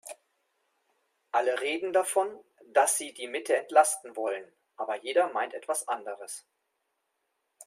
Alle reden davon, dass sie die Mitte entlasten wollen, aber jeder meint etwas anderes.